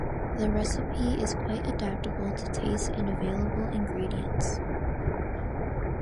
The recipe is quite adaptable to taste and available ingredients.